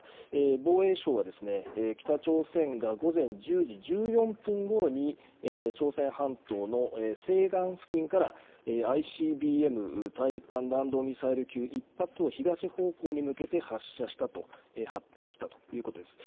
防衛省は北朝鮮が午前１０時１４分ごろに朝鮮半島の西岸付近からＩＣＢＭ・大陸間弾道ミサイル級１発を東方向に向けて発射したと発表したということです。